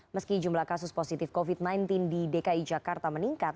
meski jumlah kasus positif covid sembilan belas di dki jakarta meningkat